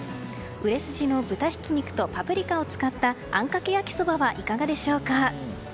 売れ筋の豚ひき肉とパプリカを使ったあんかけ焼きそばはいかがでしょうか。